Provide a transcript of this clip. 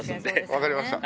分かりました。